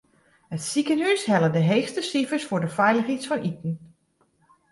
It sikehús helle de heechste sifers foar de feiligens fan iten.